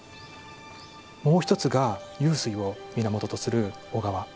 もう一つが湧水を源とする小川。